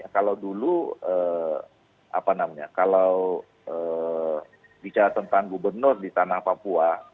kalau dulu apa namanya kalau bicara tentang gubernur di tanah papua